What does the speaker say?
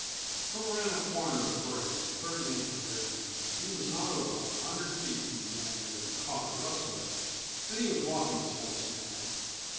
From around the corner of the break the third man had ridden. He was not over a hundred feet from the man who had caught the rustler and he was walking his horse now.